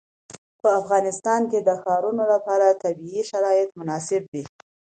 په افغانستان کې د ښارونه لپاره طبیعي شرایط مناسب دي.